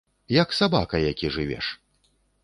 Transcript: Як сабака які жывеш.